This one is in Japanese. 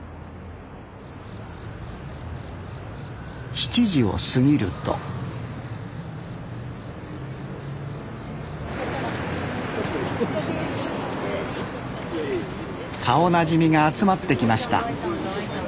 ７時を過ぎると顔なじみが集まってきました